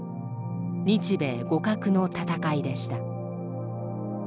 日米互角の戦いでした。